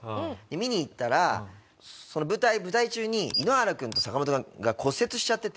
見に行ったらその舞台中に井ノ原君と坂本君が骨折しちゃってて。